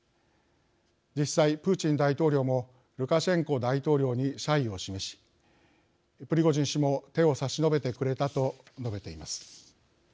実際プーチン大統領もルカシェンコ大統領に謝意を示しプリゴジン氏も「手を差し伸べてくれた」と述べています。